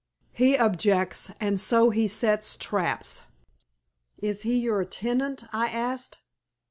He objects, and so he sets traps." "Is he your tenant?" I asked.